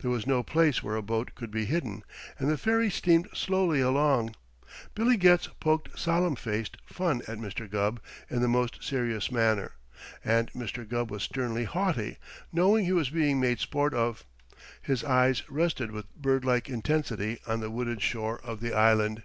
There was no place where a boat could be hidden, and the ferry steamed slowly along. Billy Getz poked solemn faced fun at Mr. Gubb in the most serious manner, and Mr. Gubb was sternly haughty, knowing he was being made sport of. His eyes rested with bird like intensity on the wooded shore of the island.